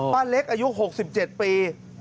เล็กอายุ๖๗ปี